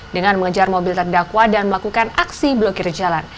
dengan mengejar mobil terdakwa dan melakukan aksi blokir jalan